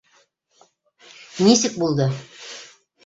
- Нисек булды?